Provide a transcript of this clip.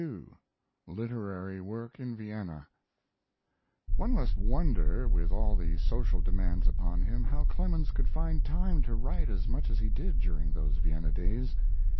CCII. LITERARY WORK IN VIENNA One must wonder, with all the social demands upon him, how Clemens could find time to write as much as he did during those Vienna days.